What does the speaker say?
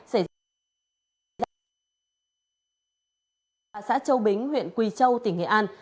xảy ra trận lốc xoáy và xã châu bính huyện quỳ châu tỉnh nghệ an